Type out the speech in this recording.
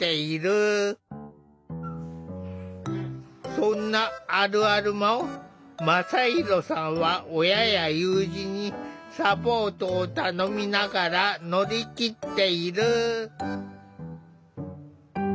そんなあるあるも真大さんは親や友人にサポートを頼みながら乗り切っている。